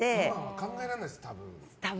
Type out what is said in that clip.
考えられないです、多分。